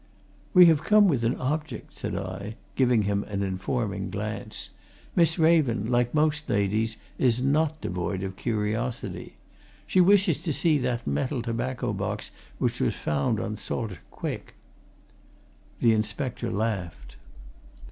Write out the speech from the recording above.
"We have come with an object," said I, giving him an informing glance. "Miss Raven, like most ladies, is not devoid of curiosity. She wishes to see that metal tobacco box which was found on Salter Quick." The inspector laughed.